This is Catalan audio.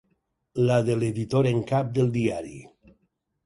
La de l’editor en cap del diari.